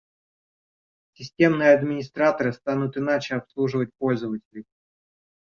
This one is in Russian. Системные администраторы станут иначе обслуживать пользователей